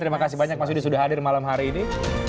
terima kasih banyak mas yudi sudah hadir malam hari ini